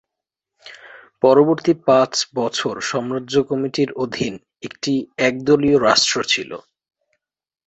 পরবর্তী পাঁচ বছর সাম্রাজ্য কমিটির অধীন একটি একদলীয় রাষ্ট্র ছিল।